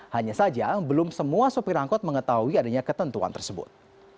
hanya saja belum semua sopir angkot mengetahui adanya ketentuan tersebut